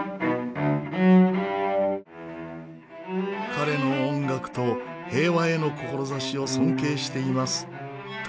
「彼の音楽と平和への志を尊敬しています」と言う